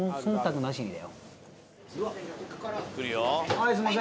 はいすいません。